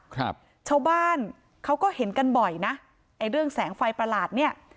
ครับชาวบ้านเขาก็เห็นกันบ่อยนะไอ้เรื่องแสงไฟประหลาดเนี้ย